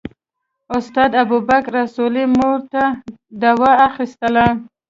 استاد ابوبکر اصولي مور ته دوا اخیستله.